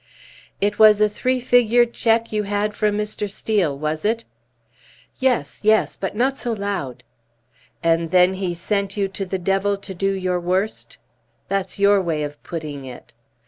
"It was a three figured check you had from Mr. Steel, was it?" "Yes yes but not so loud!" "And then he sent you to the devil to do your worst?" "That's your way of putting it."